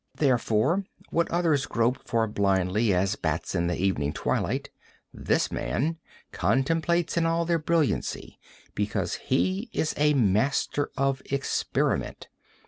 Therefore, what others grope after blindly, as bats in the evening twilight, this man contemplates in all their brilliancy because he is a master of experiment.